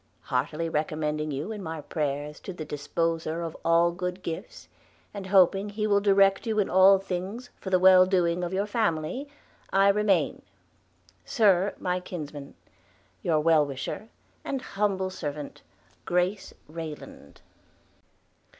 'Heartilie recommending you in my prayers to the Disposer of all goode giftes, and hoping he will directe you in all thinges for the well doing of your famely, I remaine, Sir, my kinsman, youre well wisher and humbel servant, GRACE RAYLANDE.'